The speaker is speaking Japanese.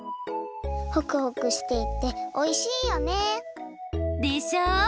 ホクホクしていておいしいよね。でしょ。